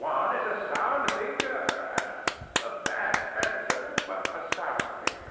Juan is a sound thinker, Ana. A bad fencer, but a sound thinker.